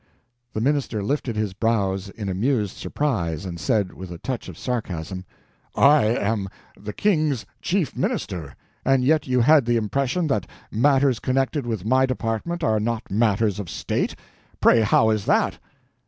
The minister lifted his brows in amused surprise, and said, with a touch of sarcasm: "I am the King's chief minister, and yet you had the impression that matters connected with my department are not matters of state? Pray, how is that?"